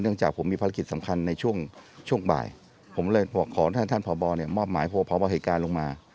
จากผมมีภารกิจสำคัญในช่วงบ่ายผมเลยบอกขอท่านพบมอบหมายพบเหตุการณ์ลงมา